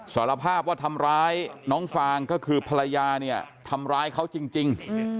สารภาพว่าทำร้ายน้องฟางก็คือภรรยาเนี่ยทำร้ายเขาจริง